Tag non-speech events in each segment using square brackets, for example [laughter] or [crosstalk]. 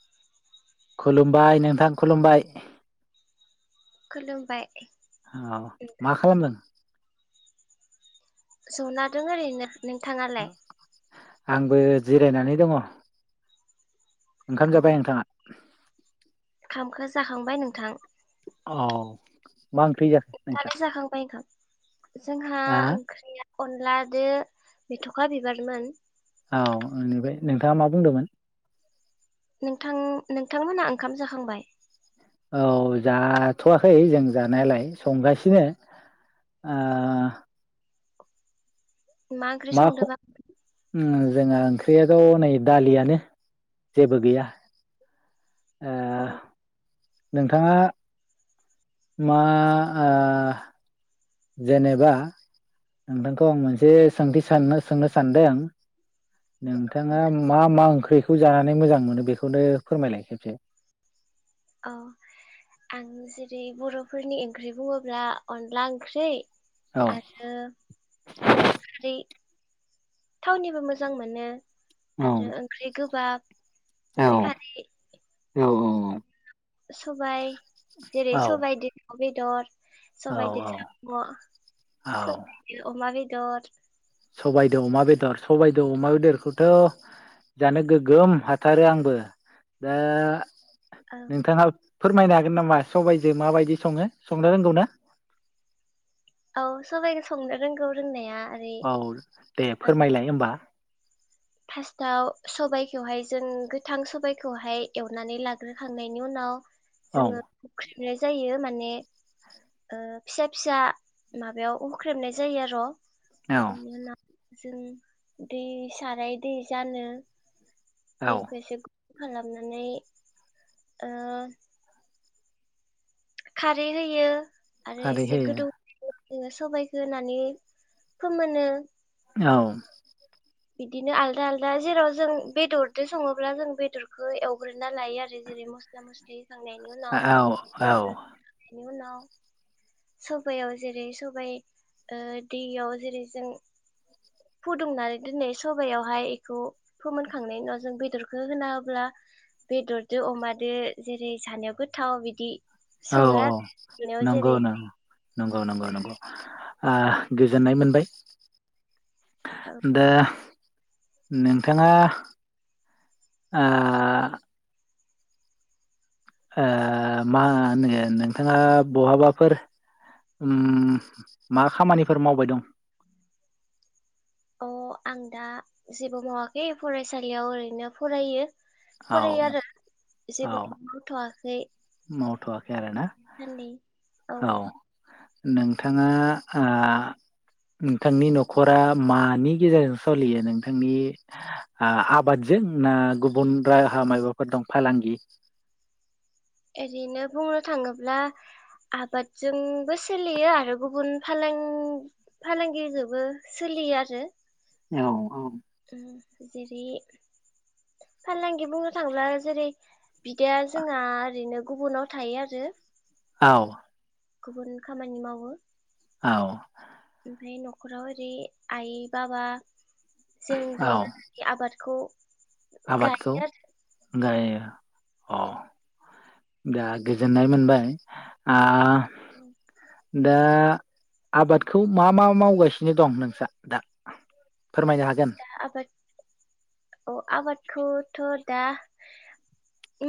[inaudible] खुलुमबाय नोंथां खुलुमबाय खुलुमबाय औ मा खालामदों? जनादों ओरैनो नोंथाङालाय? आंबो जिरायनानै दङ। औ ओंखाम जाबाय नोंथाङा? [inaudible] [unintelligible] जाखांबाय नोंथां औ मा जाखो नोंस्रा थालि जाखांबाय ओंखाम जोंहा हा ओंख्रिया अनलादो मेथ'खा बिबारमोन। औ ओनिफ्राय नोंथाङा मा बुंदोमोन? नोंथां-नोंथांमोनआ ओंखाम जाखांबाय? औ जाथ'वाखै जों जानायालाय संगासिनो ओ मा ओंख्रि संदोबा? उम जोंहा ओंख्रियाथ' नै दालियानो जेबो गैया। ओ अ। नोंथाङा मा आ जेनेबा नोंथांखौ आं मोनसे सोंथि साननो सोंनो सानदों। नोंथाङा मा मा ओंख्रि खौ जानानै मोजां मोनो बेखौनो फोरमायलाय खेबसे। अ आं जेरै बर'फोरनि ओंख्रि बुङोब्ला अनला ओंख्रि औ आरो अनलाखारि थावनिबो मोजां मोनो। आरो ओंख्रि गोबाब औ ओंख्रि खारै औ औ। सबाय जेरै सबाय दिद बे दर। सबाय दिद औ साम' सबायदो अमा बे दर सबायद' अमा बेदर सबायद' अमा बेदरखौथ' जानो गोगोम हाथारो आंबो दा ओं नोंथाङा फोरमायनो हागोन नामा सबाइजों माबायदि सङो संनो रोंगौ ना? औ सबाइखौ संनो रोंगौ रोंनाया। ओरै औ दे फोरमायलाय होमबा। फास्ताआव सबाइखौहाय जों गोथां सबाइखौहाय एवनानै लाग्रोखांनायनि उनाव औ जोंआ फुख्रि फ्रोआय जायो माने ओ फिसा फिसा माबायाव हख्रेबनाय जायो आर'। औ इनि उना जों दै साराय दि जानो दै औ खोसोख खालामनानै ओ खारै होयो आरो खारै एसे होयो गोदौ जोङो सबायखौ होनानै फोमोनो ‌। औ। बिदिनो आलदा आलदा जेराव जों बेदरजों सङोब्ला जों बेदरखौ एवग्रोना लायो आरो जेरै मस्ला मस्लि होखांनायनि उनाव औ औ। उनाव सबयाव जेरै सबाइ दैयाव जेरै जों फुदुंनानै दोनै सबयावहाय बेखौ फोमोनखांनायनि उनाव जों बेदरखौ होनाङोब्ला बेदरजो अमादो जेरै जानायाव गोथाव बिदि औ सङो आरो बेयाव जेरै नंगौनो। नंगौ नंगौ नंगौ ओ गोजोननाय मोनबाय दा नोंथाङा आ आ मा होनो नोंथाङा बहाबाफोर उम मा खामानिफोर मावबाय दं? अ आं दा जेबो मावाखै फरायसालियाव ओरैनो फरायो औ फरायो आरो औ जेबोथ' मावथ'वाखै मावथ'वाखै आरोना दासान्दि औ। नोंथाङा आ नोंथांनि न'खरा मानि गेजेरजों सलियो नोंथांनि आबादजों ना गु अनद्राहा माबाफोर दं फालांगि? एरैनो बुंनो थाङोब्ला आबादजोंबो सोलियो आरो गुबुन फालां-फालांगिजोंबो सोलियो आरो। औ औ जेरै फालांगि बुंनो थाङोब्ला जेरै बिदाया जोंहा ओरैनो गुबुनाव थायो आरो औ गुबुन खामानि मावो औ ओमफ्राय न'खराव ओरै आइ बाबा जों औ ज' ज आबादखौ आबादखौ गायो आरो गायो अ दा गोजोननाय मोनबाय आ [inaudible] दा आबादखौ मा मा मावगासिनो दं नोंस्रा दा फोरमायनो हा आबाद अ आबाद खौथ' दा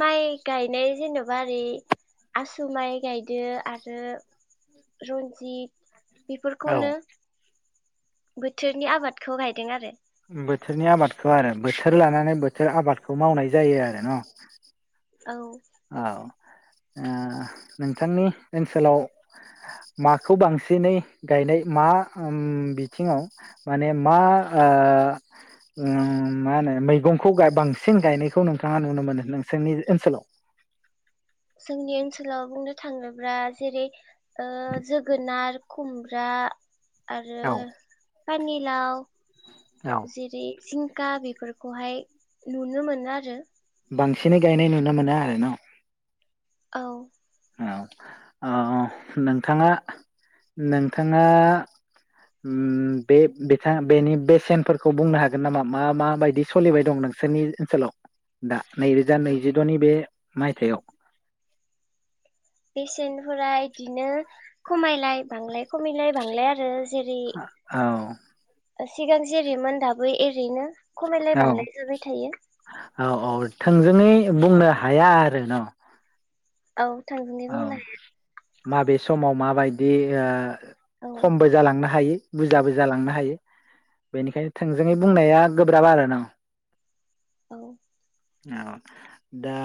माइ गायनाय जेन'बा ओरै आसु माइ गायदो आरो रनजित औ बेफोरखौनो बोथोरनि आबादखौ गायदों आरो बोथोरनि आबादखौ आरो बोथोर लानानै बोथोर आबादखौ मावनाय जायो आरो न' औ ओ नोंथांनि ओनसोलाव माखौ बांसिनै गायनाय मा ओम बिथिङाव माने मा ओ ओम मा होनो मैगंखौ बांसिन गायनायखौ नोंथाङा नुनो मोनो नोंसोरनि ओनसोलाव जोंनि ओनसोलाव बुंनो थाङोब्ला जेरै ओ जोगोनार खुमब्रा आरो औ पानि लाव औ जेरै जिंक गा बेफोरखौहाय नुनो मोनो आरो। बांसिनै गायनाय नुनो मोनो आरो ना? औ औ ओ नोंथाङा नोंथाङा उम बे बिथां बेनि बेसेनफोरखौ बुंनो हागोन नामा मा मा बायदि सोलिबाय दं नोंसोरनि ओनसोलाव दा? नैरोजा नैजिद'नि बे माइथायाव? बेसेनफोरा एदिनो खमायलाय बांलाय खमायलाय बांलाय आरो। जेरै होऔ। सिगां जेरैमोन दाबो एरैनो। खमायलाय औ बांलाय जाबाय थायो। औ औ थोंजोङै बुंनो हाया आरो न? औ थांजोंङै औ बुंनो हाया। माबे समाव माबायदि ओ औ खमबो जालांनो हायो। बुरजाबो जालांनो हायो बेनिखाय थोंजोङै बुंनाया गोब्राब आरो न? औ। औ दा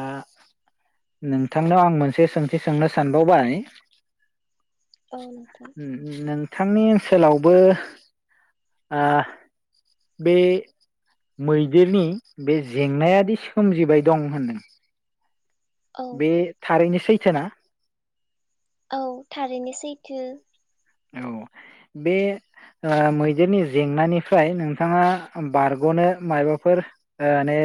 नोंथांनाव आं मोनसे सों एसे सोंनो सानबावबाय? औ नोंथां। थांनि ओनसोलावबो ओ बे मैदेरनि बे जेंनायादि सोमजिबाय दं होनदों औ बे थारैनो सैथोना? औ थारैनो सैथो। औ बे ओ मैदेरनि जेंनानिफ्राय नोंथाङा बारग'नो मायाबाफोर ओ ने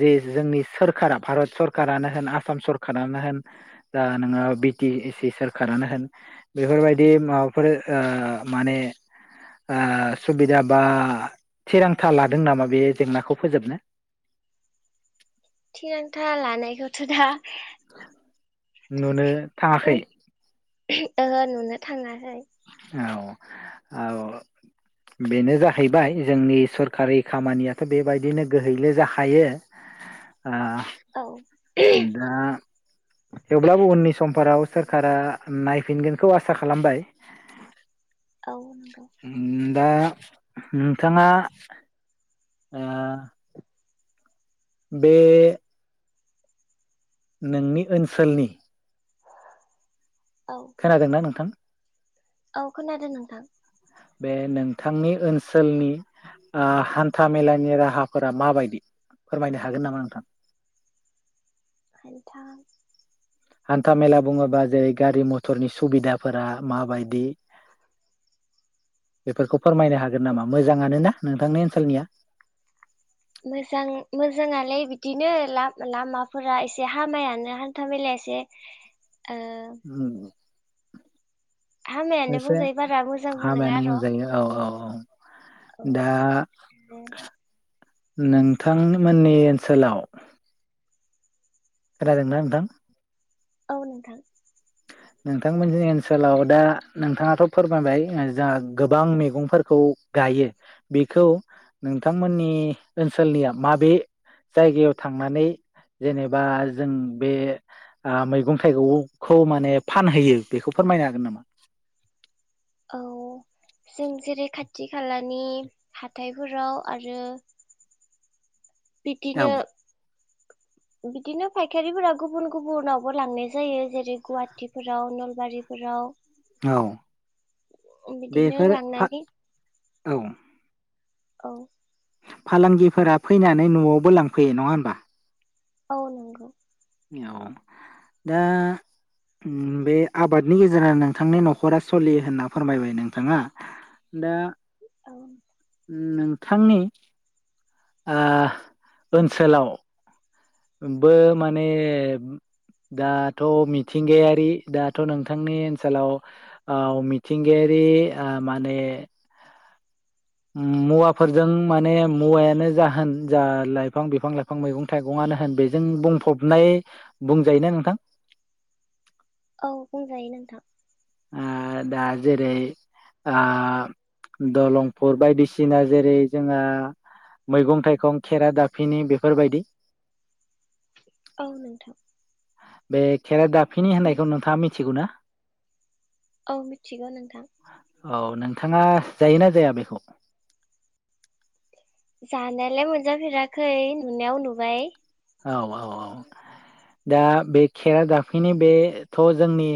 जे जोंनि सोरखारा भारत सरखारानो होन आसाम सरखारानो होन द नोङो बि टि सि सोरखारानो होन बेफोरबायदि मा फोर ओ माने ओ सुबिदा बा थिरांथा लादों नामा बे जेंनाखौ फोजोबनो? थिरांथा लानायखौथ' दा नुनो थाङाखै? ओहो नुनो थाङाहाय। औ औ बेनो जाहैबाय जोंनि सरखारि खामानियाथ' बेबायदिनो गोहैले जाखायो आ औ उम दा थेवब्लाबो उननि सम्फोराराव सोरखारा नायफिनगोनखौ आसा खालामबाय। औ नों उम। दा नोंथाङा ओ बे नोंनि ओनसोलनि औ खोनादों ना नोंथां औ खोनादों नोंथां बे नोंथांनि ओनसोलनि ओ हान्था मेलानि राहाफोरा माबायदि फोरमायनो हागोन नामा नोंथां? हान्था हान्था मेला बुङोबा जेरै गारि मथरनि सुबिदाफोरा माबायदि [unintelligible] बेफोरखौ फोरमायनो हागोन नामा मोजाङानो ना नोंथांनि ओनसोलनिया मोजां मोजाङालाय बिदिनो लामाफोरा एसे हामायानो हान्था मेलाया एसे ओ हामायानो एसे बुंजायो बारा मोजांबो नङा हामायानो र' बुंजायो औ औ अह औ दा नोंथांमोननि ओनसोलाव खोनादोंना नोंथां औ नोंथां नोंथांमोननि ओनसोलाव दा नोंथाङाथ' फोरमायबाय जोंहा गोबां मैगंफोरखौ गायो बेखौ नोंथांमोननि ओनसोलनिया माबे जायगायाव थांनानै जेनेबा जों बे मैगं थाइगंखौ माने फानहोयो बेखौ फोरमायनो हागोन नामा? औ जों जेरै खाथि खाथि खालानि हाथायफोराव आरो औ बिदिनो बिदिनो फायखारिफोरा गुबुन गुबुनावबो लांनाय जायो जेरै गुवाहाटिफोराव नलबारिफोराव औ बिदिनो बेफोर लांनानै औ औ फालांगिफोरा फैनानै न'आवबो लांफैयो नङा होमबा औ नंगौ। औ दा बे आबादनि गेजेराव नोंथांनि न'खरा सोलियो होनना फोरमायबाय नोंथाङा दा औ। नोंथांनि ओनसोलाव बो माने दाथ' मिथिंगायारि दाथ' नोंथांनि ओनसोलाव मिथिंगायारि माने मुवाफोरजों माने मुवायानो जा होन जा लाइफां बिफां लाइफां मैगं थाइगंआनो होन बेजों बुंफबनाय बुंजायोना नोंथां औ बुंजायो नोंथां। ओ दा जेरै ओ दलंफुर बायदिसिना जेरै जोंहा मैगं थाइगं खेरा दाफिनि बेफोरबायदि औ नोंथां बे खेेरा दा फिनि होननायखौ नोंथाङा मिथिगौ ना? औ मिथिगौ नोंथां। औ नोंथाङा जायोना जाया बेखौ? जानायालाय मोनजाफेराखै नुनायाव नुबाय। औ औ औ, दा बे खेरादाफिनि बेथ' जोंनि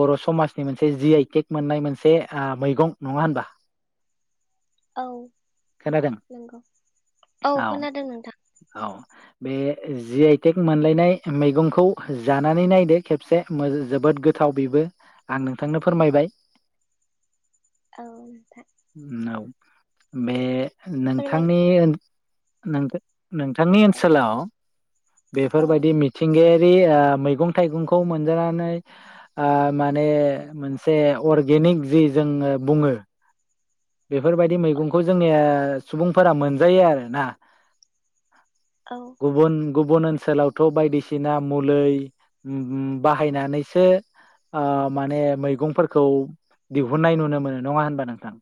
बर' समाजनि मोनसे जि आइ टेक मोननाय मोनसे ओ मैगं नङा होनबा? औ खोनादों [inaudible] नंगौ, औ खोनादों नोंथां। औ बे जि आइ टेक मोनलायनाय मैगंखौ जानानै नायदो खेबसे मो-जोबोद गोथाव बेबो आं नोंथांनो फोरमायबाय। औ नोंथां। औ बे फोरमाय नोंथांनि [inaudible] नोंथां औ ओनसोलाव, औ बेफोरबायदि मिथिंगाया रि- ओ मैगं थाइगंखौ मोनजानानै ओ माने मोनसे अर्गेनिक जि जोङो बुङो बेफोरबायदि मैगंखौ जोंनि ओ सुबुंफोरा मोनजायो आरोना औ गुबुन गुबुन ओनसोलावथ' बायदिसिना मुलै उम बाहायनानैसो माने मैगंफोरखौ दिहुुननाय नुनो मोनो, नङा होनबा नोंथां?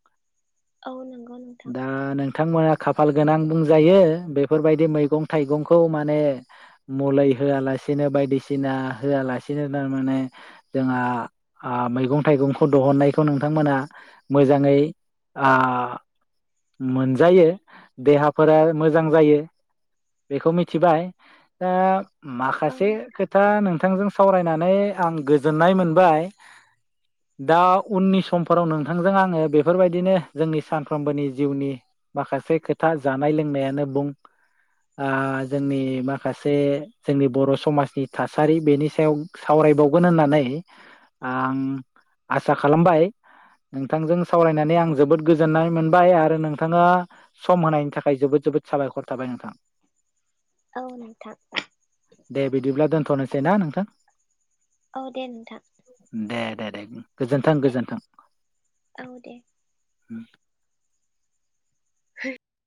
औ नंगौ नोंथां। दा नोंथांमोना खाफाल गोनां बुंजायो। बेफोरबायदि मैगं थाइगंखौ माने मुलै होआलासिनो बायदिसिना होआलासिनो थारमाने जोंहा मैगं थाइगंखौ दिहुननायखौ नोंथांमोना मोजाङै ओ, मोनजायो देहाफोरा मोजां जायो। बेखौ मिथिबाय, दा औ माखासे खोथा नोंथांजों सावरायनानै नानै आं गोजोननाय मोनबाय दा उननि समफोराव नोंथांजों आङो बेफोरबायदि दिनो जोंनि सानफ्रोमबोनि जिउनि माखासे खोथा जानाय लोंनायानो बुं, ओ जोंनि माखासे जोंनि बर' समाजनि थासारि बेनि सायाव सावरायबावगोन होननानै आं आसा खालामबाय नोंथांजों सावरायनानै औ जोबोद गोजोननाय मोन बाय आरो नोंथाङा सम होनायनि थाखाय जोबोद जोबोद साबायखर थाबाय नोंथां। [inaudible] औ नोंथां दे बिदिब्ला दोनथ'नो सै ना नोंथां। औ दे नोंथां। दे दे दे गोजोन्थों दे गोजोन्थों औ दे औ होम